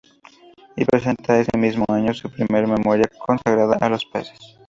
Y presenta ese mismo año su primer memoria consagrada a los peces.